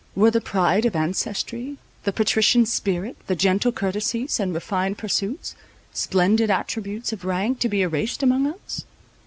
Were the pride of ancestry, the patrician spirit, the gentle courtesies and refined pursuits, splendid attributes of rank, to be erased among us?